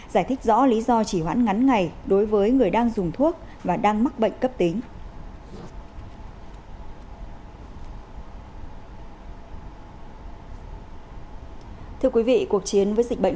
giải thích rõ lý do chỉ hoãn ngắn ngày đối với người đang dùng thuốc và đang mắc bệnh cấp tính